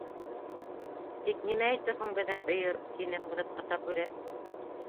— Тик нимә әйтер һуң беҙҙең өйөр? — тине һуҙып Ата Бүре.